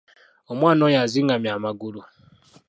Omwana oyo azingamye amagulu.